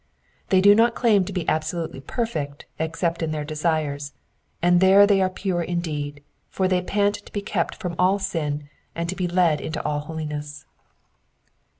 They do not claim to be absolutely perfect except in their desires, and there they are Eure indeed, for tbey pant to be kept from all sin, and to be led into all oliness.